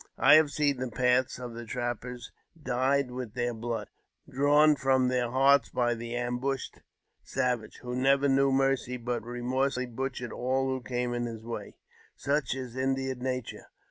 I ha^ seen the paths of the trappers dyed with their blood, dra\ from their hearts by the ambushed savage, who never km mercy, but remorsely butchered all who came in his wj Such is Indian nature.